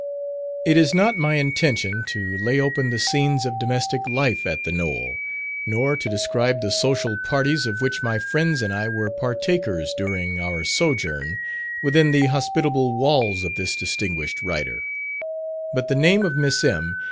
It is not my intention to lay open the scenes of domestic life at "The Knoll," nor to describe the social parties of which my friends and I were partakers during our sojourn within the hospitable walls of this distinguished writer; but the name of Miss M.